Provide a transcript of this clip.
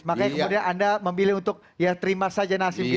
makanya kemudian anda memilih untuk ya terima saja nasib itu